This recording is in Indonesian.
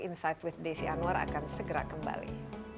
insight with desi anwar akan segera kembali